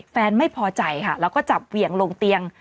แฟนไม่พอใจค่ะแล้วก็จับเหวี่ยงลงเตียง